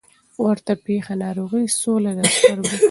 ورته پېښه ناروغي سوله د سترګو